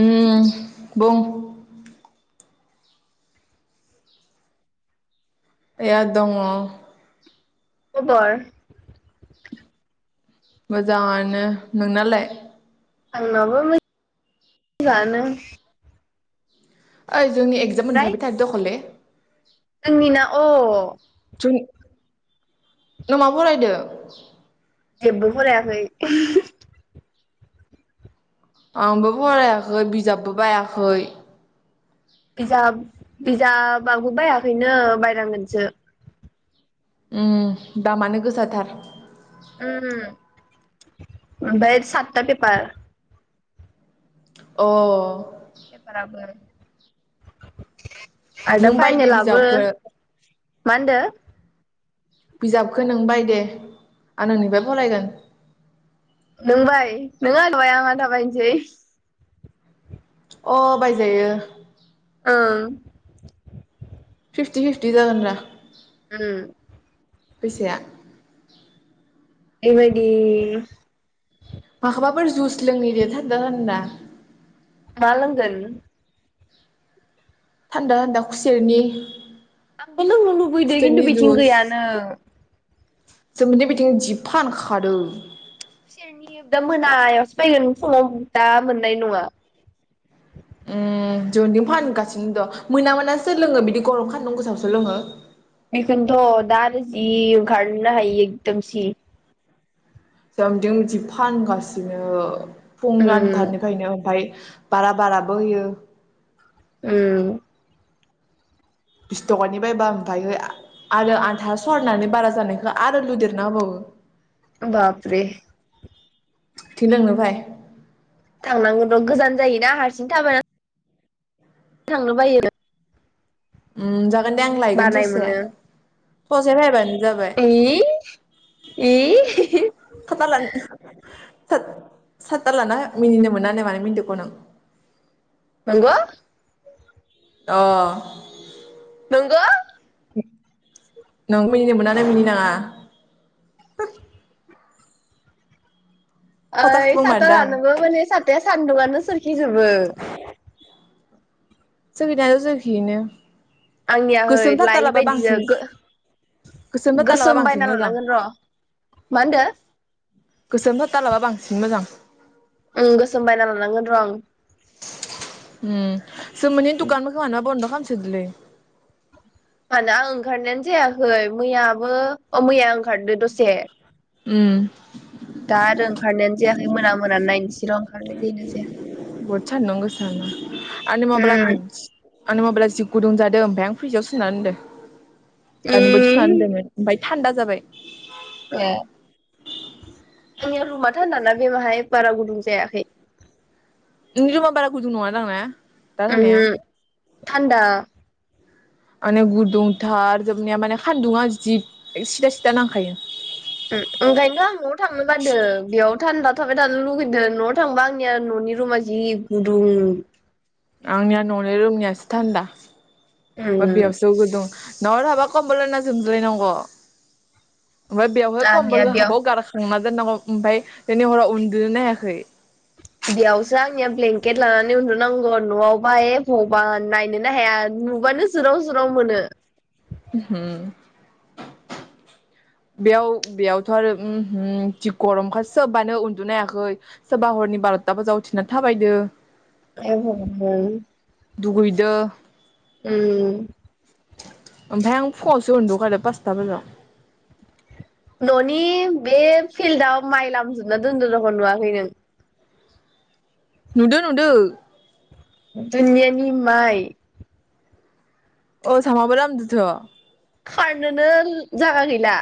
उम बुं ओया दङ। खबर मोजांआनो नोंनालाय? आंनावाबो मां मोजांआनो। ओइ जोंनि एग्जाम मोनफैबाय थाग दखले जोंनिनो अ जों नों मा फरायदो? जेबुफोरराखै [unintelligible] आंबो फरायाखै बिजाबबो बायाखै। बिजाब बिजाबाबबो बायाखैनो बायनांगोनसो। उम दामानो गोसाथार। ओम मोनबाय सतता पेपार अ पेपाराबो आरो दा नों बायदे फाइनालाबो बिजाबखो मा होनदों? बिजाबखो नों बायदे आं नोंनिफ्राय फरायगोन। नों बाय नों आथा आं आथा बायनोसै। अ बायजायो। ओं फिफ्टि फिफ्टि जागोन रा - उम। फैसाया। इबायदि माखौबाफोर जुइस लोंहैदो थान्दा होनना मा लोंगोन? थान्दा थान्दा खुसेरनि आंबो लोंनो लुबैदों खिन्थु बिथिं गैयानो। जों मोननि बिथिं जि फानखादों। खुसेरनि दा मोनायावसो फायगोन समाव दा मोननाय नङा। उम जोनिथिं फानगासिनो दं, मोना मोनाव सोर लोङो बिदि गरम खानदुं गोसावसो लोङो। बेखौनोथ' दा आरो जि ओंखारो हायि एकदम सि जोंनिथिं बिदि फानगासिनो। फुं उम आनथारनिफ्रायनो आमफाय बारा बाराबो होयो। उम बिस थ'कानि बायबा आमफायो आरो आनथा सरनानै बारा जानायखौ आरो लुदेरना होबावो। बाप रे इथिन लोंनो फाय। थांनांगोन र' गोजान जायोना हारसिं थाबायना थांनो बायो। उम जागोन। ओं दे आं लायगोन बानाय ससे मोनो ससे फायबानो जाबाय इ इ खाटा लानो। थोद साता लाना मिनिनो मोना नो मानो मिनिदों आक' नों नंगौ? अ नंगौ? नों मिनिनो मोना नो मिनि नाङा [unintelligible] ओइ खजाखौबो साता मारदां लानोबो माने साताया सान्दुआनो सोरखिजोबो। जोंखिनायाथ' जोंखियोनो आंनियाहै लायै बायदिसो गोसोम जाथारलाबा गो-गोसोम बांसिन बायना मोजां लानांगोन र' मा होनदो। गोसोम थाथालाबा बांसिन मोजां ओं गोसोम बायना लानांगोन र' आं ओं जोमोननि दुखान खोमा न बन्द खालामसोदोंलै आना आं ओंखारनायानो जायाखै मैयाबो अ मैया ओंखारदो दसे से उम दा आरो ओंखारनायानो जायाखै मोना-मोना नायनोसै र ओंखारनो ओरैनोसैया बुहद सानदुं गोसा ना आंनि मबेला उम उम गुद आंनि मबेला जि गुदुं जाद दो ओमफाय आं फैसायाव सोना दोनदो। दानि बोथ सोना दोनदोमोन ओमफाय थान्दा जाबाय। ए आंनिया रुमा थानदाना बेवहाय बारा गुदुं जायाखै। नोंनि रुमा बारा गुदुं नङा दां ना? दा थानाया? उमहो थान्दा। आंनिया गुदुंथार जोबनाया माने सानदुङा जि सिदा सिदा नांखायो। उम ओंखायनोथ आं न'आव थांनो बादो बेयाव थान्दा थाबाय थानो लुगैदों न'आव थांबा आंनिया ननि रुमा जि गुदुं। आंनिया न'नि रुमनियासो थान्दा। बा उम बेयावसो गुदुं। न'आव थाबा खमबल बायना उनदुलायनांग। ओमफाय बेवहाय आंनिया खमफखौ बेयाव हाबाव गारखांना दोननांगौ ओमफाय दिनै हराव उन्दुनोनो हायाखै। बेयावसो आंनिया ब्लेंकेट लानानै उन्दुनांग न'आवबा ए भगबान नायनोनो हाया नुबानो जोराव जोराव मोनो। उमहो बेयाव बेयावथ आरो उम हो जि गरमखा सोबानो उन्दुनो हायाखै सोरबा हरनि बार'था बाजियाव उथिना थाबायदो। ए भग'बान। दुगैदो। उम ओमफाय आं फुङावसो उन्दु कादो पासता बाजायाव। न'नि बे फिल्डाव माइ लामजोबना दोन्दो दख नुवाखै नों? नुदो नुदो। दुनियानि माइ। अ समाबो लामदोंथ खारनोनो जागा गैला।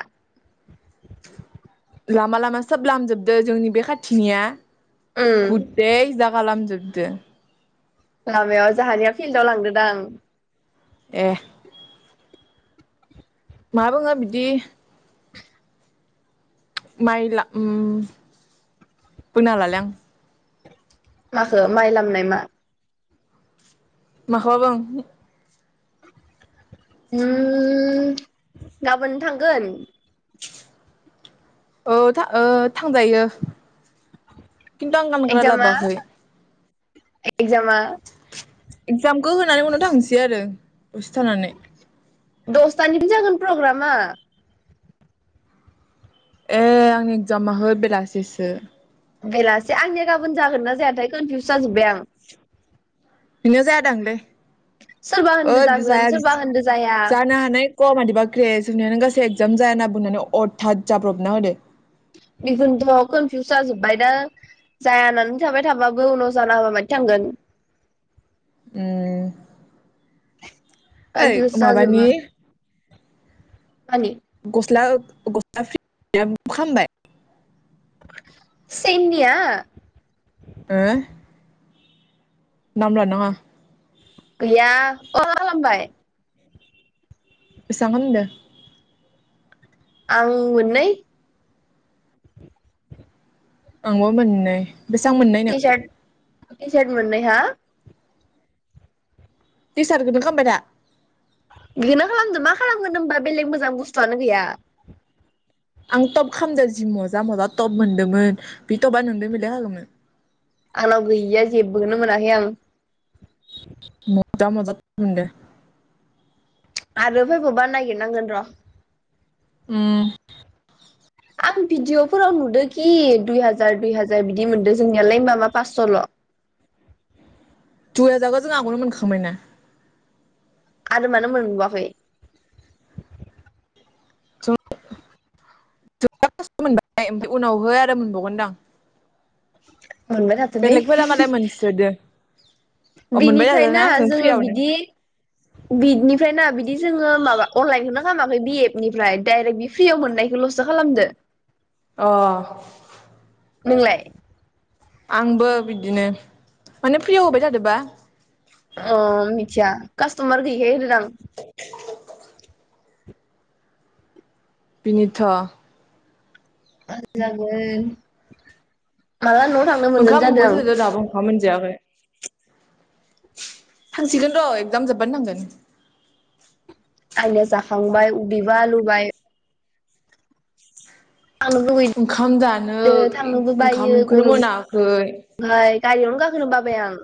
लामा लामा सोब लामजोबदो जोंनि बे खाथिनिया। उम गुते जागा लामजोब दो। लामायाव जाहानिया फिल्डाव लांदो दां। ए मा बुंङो बिदि माइला उम बोनालालै आं माखो माइ लामनाय मा? माखोबा बुं उम गाबोन थांगोन। औ थां ओ थांजायो। किन्थु आं गानग्रा लाबोयाखै। एकजामा एक्जामखौ होनानै उनाव थांसै आरो। उसथानानै दसथा [unintelligible] जागोन प्रग्रामा। ए आंनि एगजामा हो बेलासिसो। बेलासे आंनिया गाबोन जागोन ना जायाथाय कनफिउस जाजोब्बाय आं। नोंनिया जाया दांलै। सोरबा ओ होनदो जागोन जाया सोरबा होनदो जाया जानो हानाय क मादिबा [unintelligible] नो गासै एगजाम जाया होनना बुंनानै अरथाद जाब्रबना होदो। बेखुनथ कनफिउस जाजोब्बाय दा जायानानै थाबाय थाबाबो उनाव जाना होबा मायदि थांगोन? उम्म ओइ कनफिउस जाजोबो माबानि मानि गस्ला गस्ला [inaudible] खालामबाय सेननिया? ओ नाम लानांङा। गैया अ खालामबाय। बेसां हामदो? आं मोननै आंबो मोननै बेसां मोननाय नङ टिसारट मोननै हा टिसार्टखोदो खालामबाय दा? बे मा खालामदो मा खालामगोन होमबा बेलेग मोजां बुस्थुआनो गैया। आं टप खालामदों जि मजा मजा टप मोनदोंमोन बे टपा नोंदो मिलाय खागोमोन। आंनाव गैया जेबोखोनो मोनाखै आं। मजा मजा तब मोनदो। आरो फैबावबा नागिरनांगोन र'। उम्म आं भिदिअफोराव नुदोंखि दुइ हाजार दुइ हाजार बिदि मोनदों जोंनियालाय ओमबा मा पासस'ल'? दुइ हाजारखौ जों आग'नो मोनखामाय ना। आरो मानो मोनबावाखै? [inaudible] मोनबाय ओमफ्राय उनावह आरो मोनबावगोनदां। मोनबाय थाथोलै बेलेगफोरा मालाय मोनसोदो। अ मोनबाय थादोना बिनिफ्रायना जों जोंङो फ्रियावनो बिदि बिनिफ्रायना बिदि जोंङो माबा अनलायहोन खालामाखै बि एपनिफ्राय डाइरेक्ट बि फ्रियाव मोननायखौल'सो खालामदो। अ नोंलाय? आंबो बिदिनो माने फ्रियाव होबाय थादोबा। अ मिथिया कास्टमार गैयिखाय होदोदां। बिनिथ जागोन माला न' ओंखाम उखैसोदो दाबो ओंखाम मोनजायाखै [inaudible] थांसिगोन र' एकजाम जोब्बानो नांगोन आइनो जाखांबाय उदैबा लुबाय थांनो लुुबैदो ओंखाम जानो थांनोबो बायो ओंखामखौनो मोनाखै गरमखाय गारियावनो गाखोनो बाबाय आं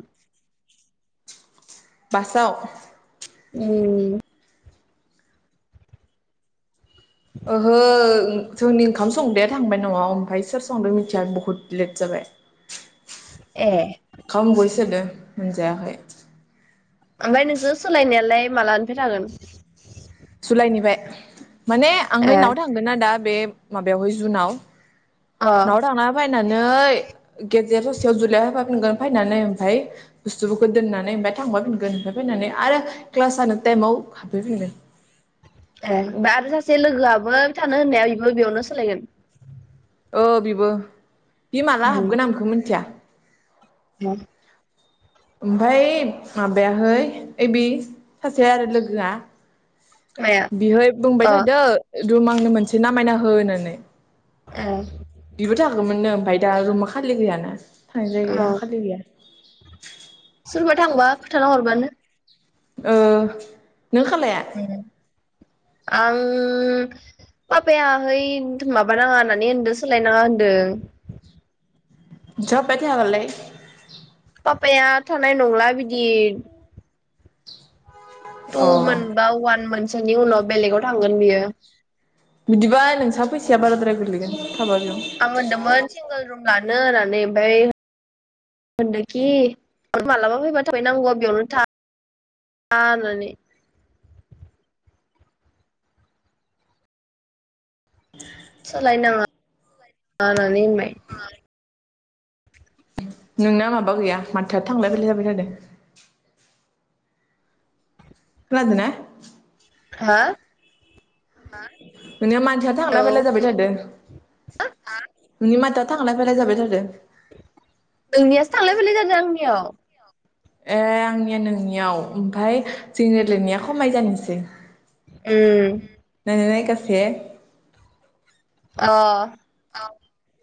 बासाव? उम ओहो जोंनि ओंखाम संदाया थांबाय न आव ओमफ्राय सोर संदों मिथिया बहुद लेट जाबाय ए ओंखाम उखैसोदों मोनजायाखै ओमफ्राय नोंसोर सोलायनायालाय मालानिफ्राय थागोन? जुलाायनिबाय माने आंहाय अ ए नाव थांगोन ना दा बे माबायावहाय जुनाव ओमफ्राय नवाव थांना फाय फैनानै गेजेर ससेयाव जुलाइ होफाफिनगोन फैनानै ओमफफ्राय बुस्थुफोरखौ दोननानै ओमफ्राय थांफाफिनगोन ओमफ्राय फैनानै आरो क्लास जानो टाइमाव हाबफैफिनग ए बा आरो सासे लोगोआबो थानो होननाया बेबो बेयावनो सोलायगोन? ओ बेबो बे माला हाबगोन आं बेखौ मिथिया औ ओमफाय माबायाहै ओइ बे सासे आरो लोगोआ माया बिहाय बुंबाय अ थादों रुमा आंनो मोनसे नामायना हो होननानै ए बिबो थांगौमोन नो ओमफ्राय दा रुमा खालि गैयानो थां अ जायो खालि गैया सोरबा थांबा फोथाराव हरबानो ओ नों खालाया? आं पापाहै माबानाङा होननानै होनदों सोलायनाङा होन्दों जब पाथायाबालाइय आफाया थानाय नंला बिदि टु अ मोन बा उवान मोन सोनि उनाव बेलेगाव थांगोन बियो। बिदिबाय नोंसा फैसाया बाराद्राय गोलैगोन आं मोनदोंमोन सिंगोल रुम ला नो होननानै ओमफाय होनदोखि मालाबा फैबा थाफैनांगौ आं होनना बेयावनो था होननानै सोलाय नाङा [unintelligible] नोंना माबा गैया माथोआ थांलाय फैलाय जाबाय थादो खोनादोना? हा हा नोंनिया माथोआ थांलाय औ फैलाय जाबाय थादो। नोंनि माथोआ थांलाय फायलाय जाबाय थादो नोंनियासो थांलाय फैलाय जादो आंनियाव ए आंनिया नोंनियाव ओमफाय जोंनि रायलायनाया खमाय जानोसै उम [unintelligible] अह [unintelligible]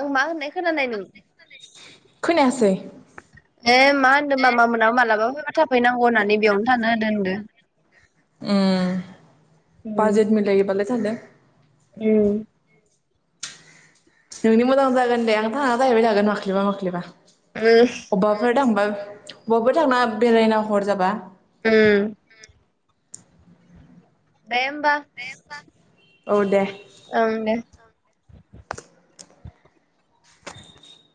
आं मा होननाय खोनानाय नों? खोनायासै ए मा होनदों मामा मोनाबो मालाबा फैबा थाफैनांगौ होननानै बेयावनो थानो होदो होनदो उम उम बाजेथ मिलायोबालाय सान्दों उम नोंनि मोजां जागोन दे आं थांना जाहैबाय थागोन माख्लैबा माख्लैबा दे अबाफोर थांबा बबाफोर थांना बेरायना हर जाबा उम दे होमबा औ दे ओं दे